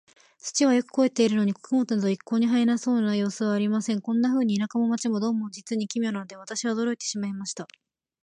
土はよく肥えているのに、穀物など一向に生えそうな様子はありません。こんなふうに、田舎も街も、どうも実に奇妙なので、私は驚いてしまいました。